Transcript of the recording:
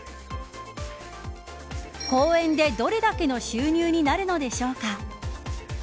講演でどれだけの収入になるのでしょうか。